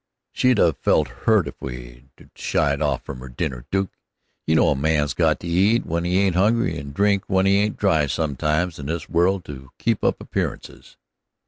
"She'd 'a' felt hurt if we'd 'a' shied off from her dinner, Duke. You know a man's got to eat when he ain't hungry and drink when he ain't dry sometimes in this world to keep up appearances."